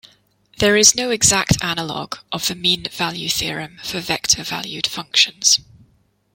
There is no exact analog of the mean value theorem for vector-valued functions.